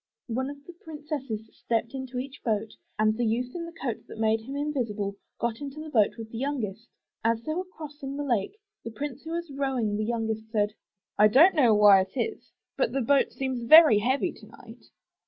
One of the princesses stepped into each boat and the youth in the coat that made him invisible, got into the boat with the youngest. As they were crossing the lake the prince who was rowing the youngest said, *'I do not know why it is, but the boat seems very heavy tonight.